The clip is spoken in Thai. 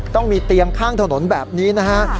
ต้องมีเตียงข้างถนนแบบนี้นะฮะ